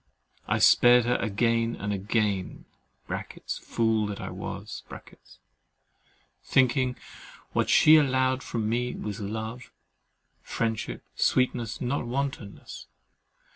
I spared her again and again (fool that I was) thinking what she allowed from me was love, friendship, sweetness, not wantonness.